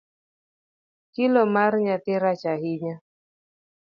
Kilo mar nyathi rach ahinya.